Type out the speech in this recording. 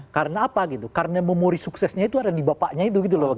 karena apa gitu karena memori suksesnya itu ada di bapaknya itu gitu loh